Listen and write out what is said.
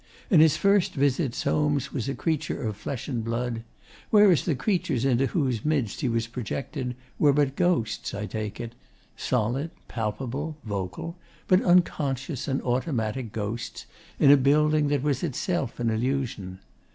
In his first visit, Soames was a creature of flesh and blood, whereas the creatures into whose midst he was projected were but ghosts, I take it solid, palpable, vocal, but unconscious and automatic ghosts, in a building that was itself an illusion.